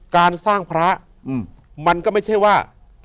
การสร้างพระมันก็ไม่ใช่ว่า